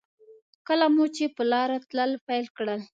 کله مو چې په لاره تلل پیل کړل.